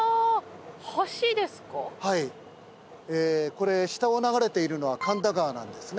これ下を流れているのは神田川なんですね。